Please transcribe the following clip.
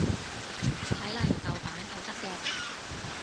睇嚟豆瓣係得嘅